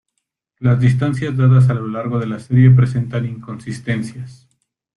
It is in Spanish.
Las distancias dadas a lo largo de la serie presentan inconsistencias.